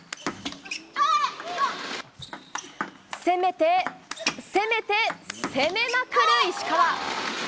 攻めて、攻めて攻めまくる石川。